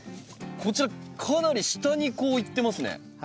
こちらかなり下にこう行ってますね。